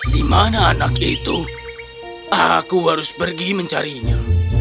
dimana anak itu aku harus pergi mencarinya